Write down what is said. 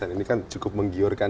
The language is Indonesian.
ini kan cukup menggiurkan